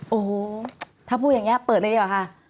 โอ้โหถ้าพูดอย่างนี้เปิดเลยดีกว่าค่ะ